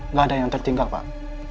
nggak ada yang tertinggal pak